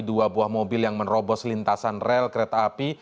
dua buah mobil yang menerobos lintasan rel kereta api